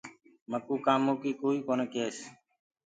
مڪوُ ڪآمو ڪيٚ ڪوئي ڪونآ ڪيس۔